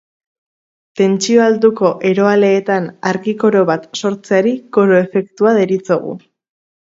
Tentsio altuko eroaleetan argi-koro bat sortzeari koro efektua deritzogu.